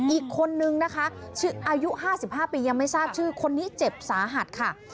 อีกคนนึงนะคะอายุ๕๕ปียังไม่ทราบชื่อคนนี้เจ็บสาหัสค่ะ